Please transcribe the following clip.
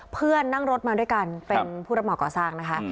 เพื่อนนั่งรถมาด้วยกันเป็นผู้รับเหมาก่อสร้างนะคะ